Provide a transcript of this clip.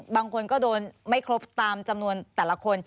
บางคนก็โดนไม่ครบตามจำนวนแต่ละคน